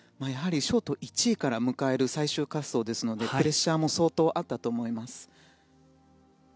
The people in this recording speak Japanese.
ショート１位から迎える最終滑走ですのでプレッシャーも相当あったと思います。